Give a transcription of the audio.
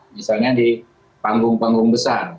misalnya di panggung panggung besar